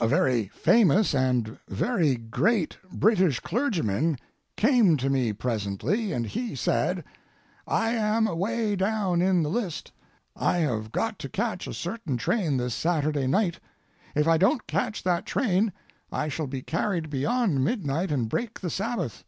A very famous and very great British clergyman came to me presently, and he said: "I am away down in the list; I have got to catch a certain train this Saturday night; if I don't catch that train I shall be carried beyond midnight and break the Sabbath.